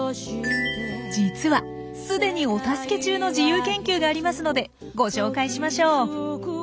実は既にお助け中の自由研究がありますのでご紹介しましょう。